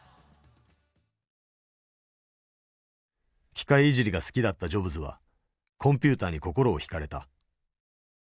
機械いじりが好きだったジョブズはコンピューターに心を引かれた。